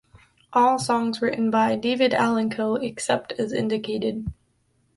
All songs written by David Allan Coe except as indicated.